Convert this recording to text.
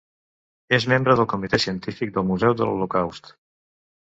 És membre del Comitè Científic del Museu de l'Holocaust.